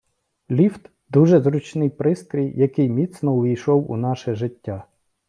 Ліфт - дуже зручний пристрій, який міцно увійшов у наше життя.